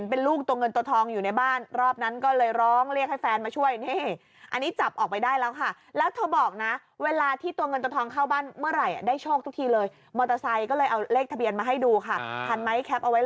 โปรดติดตามตอนต่อไป